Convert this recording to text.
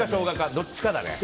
どっちかだね。